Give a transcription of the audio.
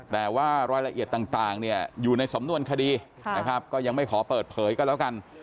แต่ว่ารายละเอียดต่างเนี่ยอยู่ในสำนวนคดีนะครับก็ยังไม่ขอเปิดเผยก็แล้วกัน